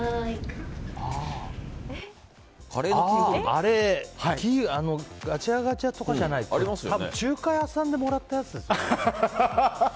あれガチャガチャとかじゃなくて多分、中華屋さんでもらったやつですね。